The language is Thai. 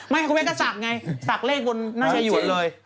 ไม่ไยหยวนก็สักไงสักเลขบนไยหยวนเลย